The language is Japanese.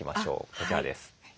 こちらです。